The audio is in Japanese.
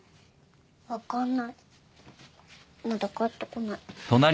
分かんないまだ帰ってこない。